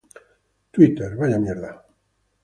Twitter